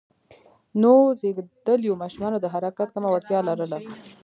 نوو زېږیدليو ماشومان د حرکت کمه وړتیا لرله.